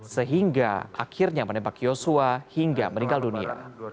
sehingga akhirnya menembak yosua hingga meninggal dunia